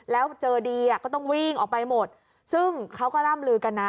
แล้วเจอดีอ่ะก็ต้องวิ่งออกไปหมดซึ่งเขาก็ร่ำลือกันนะ